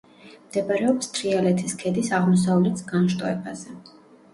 მდებარეობს თრიალეთის ქედის აღმოსავლეთ განშტოებაზე.